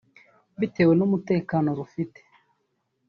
bitewe n’umutekano rufite